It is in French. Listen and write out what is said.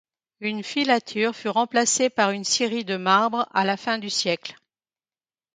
Une filature fut remplacée par une scierie de marbre à la fin du siècle.